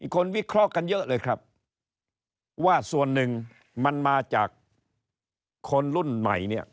คนวิเคราะห์กันเยอะเลยครับว่าส่วนหนึ่งมันมาจากคนรุ่นใหม่เนี่ย